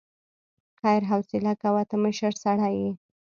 خير حوصله کوه، ته مشر سړی يې.